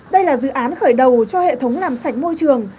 đây là dự án khởi đầu cho hệ thống làm sạch môi trường